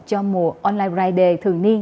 cho mùa online friday thường niên